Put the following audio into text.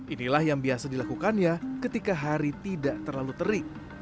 inilah yang biasa dilakukannya ketika hari tidak terlalu terik